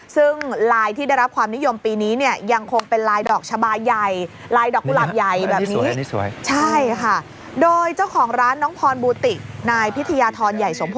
ซึ่งลายที่ได้รับความนิยมปีนี้ยังคงเป็นลายดอกฉบายใหญ่